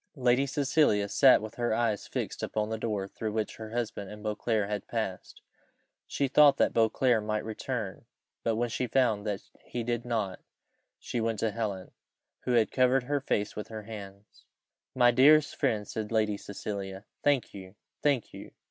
Lady Cecilia sat with her eyes fixed upon the door through which her husband and Beauclerc had passed. She thought that Beauclerc might return; but when she found that he did not, she went to Helen, who had covered her face with her hands. "My dearest friend," said Lady Cecilia, "thank you! thank you!